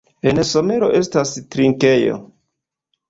En somero estas trinkejo.